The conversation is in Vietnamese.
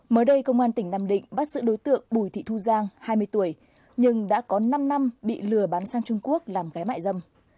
mới đây công an tỉnh nam định bắt giữ đối tượng bùi thị thu giang hai mươi tuổi nhưng đã có năm năm bị lừa bán sang trung quốc làm gái mại dâm